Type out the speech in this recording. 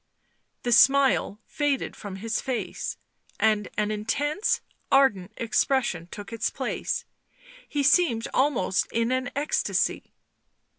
The smile faded from his face, and an intense, ardent expression took its place; he seemed almost in an ecstasy.